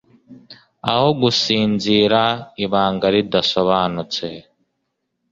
Aho gusinzira ibanga ridasobanutse